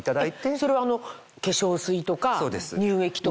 それは化粧水とか乳液とか。